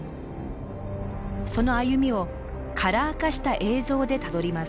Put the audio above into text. その歩みをカラー化した映像でたどります。